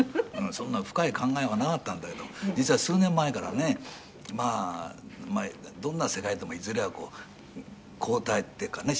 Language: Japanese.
「そんな深い考えはなかったんだけど実は数年前からねまあどんな世界でもいずれはこう交代っていうかね